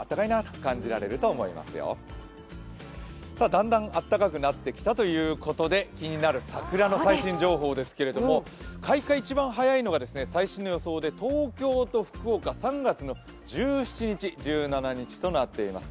だんだんあったかくなってきたということで気になる桜の最新状況ですけれども、開花一番早いのが最新の予想で東京と福岡、３月１７日となっています。